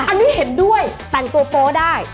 อันนี้เห็นด้วยแต่งตัวโป๊ได้